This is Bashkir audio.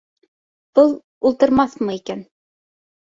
Был ултырмаҫмы икән?